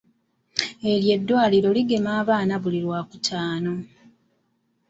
Eryo eddwaliro ligema abaana buli Lwakutaano.